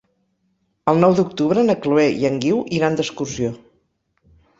El nou d'octubre na Chloé i en Guiu iran d'excursió.